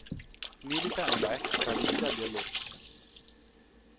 Milita nella Extraliga bielorussa.